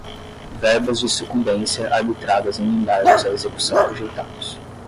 verbas de sucumbência arbitradas em embargos à execução rejeitados